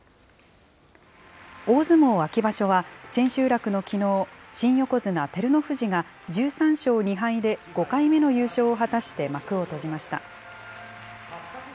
大相撲秋場所は千秋楽のきのう、新横綱・照ノ富士が１３勝２敗で５回目の優勝を果たして幕を閉じました。